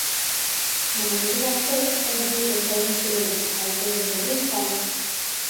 Momentura arte, ez dute zaurituen eta kalteren berri izan.